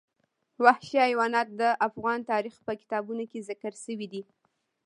وحشي حیوانات د افغان تاریخ په کتابونو کې ذکر شوی دي.